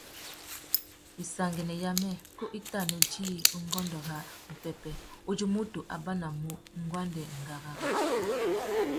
Wissangüena yamê, kú i tà nu djï ungôndô râ upwêpwê uzu mutu a banamú nguêndê ngárá râā.